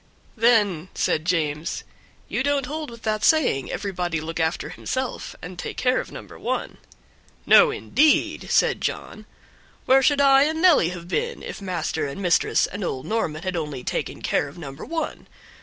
"Then," said James, "you don't hold with that saying, 'Everybody look after himself, and take care of number one'?" "No, indeed," said John, "where should I and Nelly have been if master and mistress and old Norman had only taken care of number one?